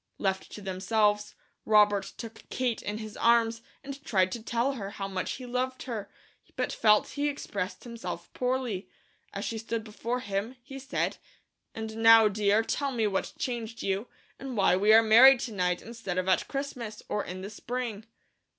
Left to themselves, Robert took Kate in his arms and tried to tell her how much he loved her, but felt he expressed himself poorly. As she stood before him, he said: "And now, dear, tell me what changed you, and why we are married to night instead of at Christmas, or in the spring."